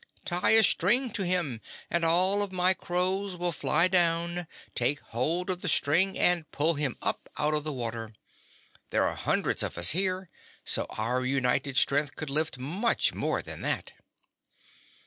"Tie a string to him and all of my crows will fly down, take hold of the string, and pull him up out of the water. There are hundreds of us here, so our united strength could lift much more than that."